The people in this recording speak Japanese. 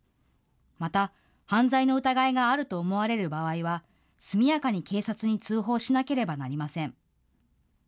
また、犯罪の疑いがあると思われる場合は速やかに警察に通報しなければなりません。